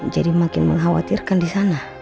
jadi makin mengkhawatirkan di sana